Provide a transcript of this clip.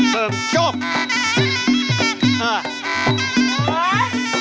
เหล่าเบน